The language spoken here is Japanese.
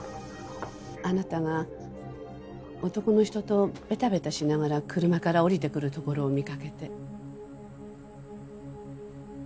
あなたが男の人とベタベタしながら車から降りてくるところを見かけて。